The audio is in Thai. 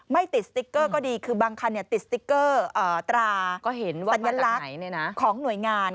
ไม่ติดสติ๊กเกอร์ก็ดีคือบางคันติดสติ๊กเกอร์ตราสัญลักษณ์ของหน่วยงาน